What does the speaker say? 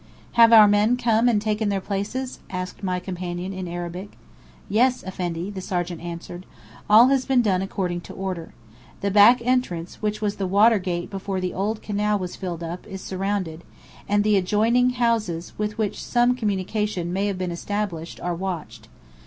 "Have our men come and taken their places?" asked my companion in Arabic. "Yes, Effendi," the sergeant answered. "All has been done according to order. The back entrance which was the water gate before the old canal was filled up, is surrounded, and the adjoining houses with which some communication may have been established are watched.